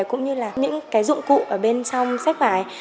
cũng như là những cái dụng cụ ở bên trong sách vải